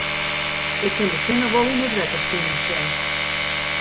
Ik kin de sinne wol yn it wetter skinen sjen.